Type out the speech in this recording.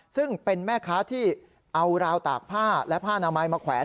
ซึ่งเป็นแม่ค้าที่เอาราวตากผ้าและผ้านามัยมาแขวน